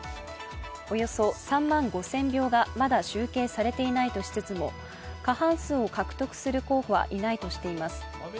およそ３万５０００票がまだ集計されていないとしつつも過半数を獲得する候補はいないとしています。